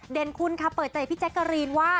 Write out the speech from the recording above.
คุณค่ะเปิดใจพี่แจ๊กกะรีนว่า